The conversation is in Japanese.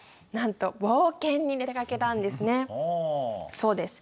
そうです。